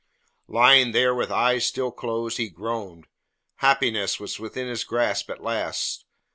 Lying there with eyes still closed he groaned. Happiness was within his grasp at last.